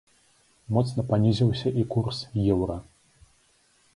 Моцна панізіўся і курс еўра.